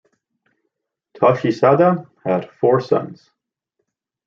Toshisada had four sons.